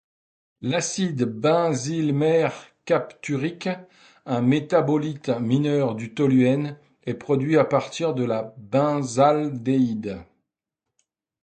L’acide benzylmercapturic, un métabolite mineur du toluène, est produit à partir de la benzaldéhyde.